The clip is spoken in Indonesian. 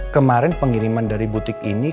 kemarin pengiriman dari butik ini